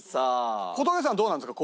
小峠さんはどうなんですか？